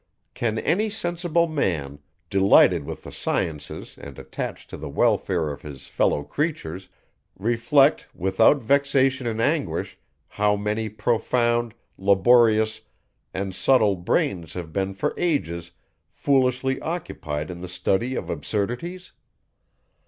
Can any sensible man, delighted with the sciences and attached to the welfare of his fellow creatures, reflect, without vexation and anguish, how many profound, laborious, and subtle brains have been for ages foolishly occupied in the study of absurdities?